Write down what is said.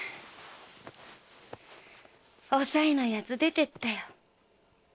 おさいの奴出てったよ。